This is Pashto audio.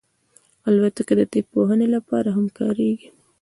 الوتکه د طب پوهنې لپاره هم کارېږي.